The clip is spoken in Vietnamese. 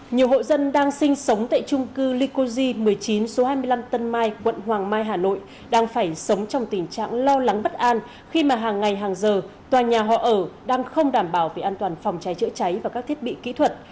nhiều hộ dân đang sinh sống tại trung cư likozy một mươi chín số hai mươi năm tân mai quận hoàng mai hà nội đang phải sống trong tình trạng lo lắng bất an khi mà hàng ngày hàng giờ tòa nhà họ ở đang không đảm bảo về an toàn phòng cháy chữa cháy và các thiết bị kỹ thuật